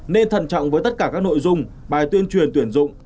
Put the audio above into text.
nên thần trọng với tất cả các nội dung bài tuyên truyền tuyển dụng